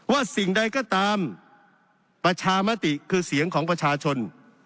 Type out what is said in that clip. สิ่งใดก็ตามประชามติคือเสียงของประชาชน